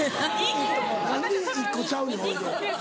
何で１個ちゃうねんほいで。